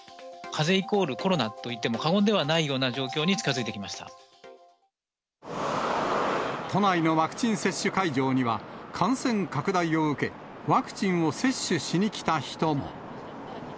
かぜイコールコロナといっても過言ではないような状況に近づいて都内のワクチン接種会場には、感染拡大を受け、ワクチンを接種しに来た人も。